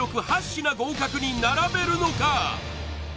８品合格に並べるのか？